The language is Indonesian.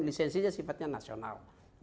lisensinya sifatnya nasional